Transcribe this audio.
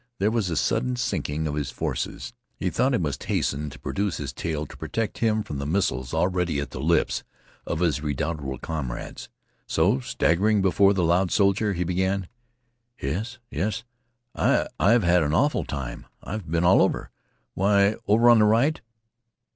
There was a sudden sinking of his forces. He thought he must hasten to produce his tale to protect him from the missiles already at the lips of his redoubtable comrades. So, staggering before the loud soldier, he began: "Yes, yes. I've I've had an awful time. I've been all over. Way over on th' right.